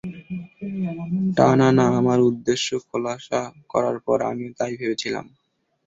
টানানা আমার উদ্দেশ্য খোলাসা করার পর আমিও তাই ভেবেছিলাম।